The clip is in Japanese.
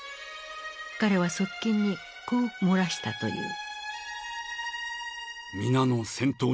彼は側近にこう漏らしたという。